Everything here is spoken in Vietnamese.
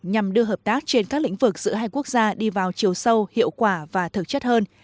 nhằm đưa hợp tác trên các lĩnh vực giữa hai quốc gia đi vào chiều sâu hiệu quả và thực chất hơn